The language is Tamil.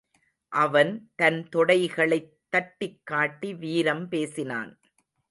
அவன் தன் தொடைகளைத் தட்டிக்காட்டி வீரம் பேசினான்.